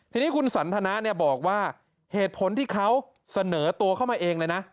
ทีนี้คุณสันทนาเนี่ยบอกว่าเหตุผลที่เขาเสนอตัวเข้ามาเองเลยนะ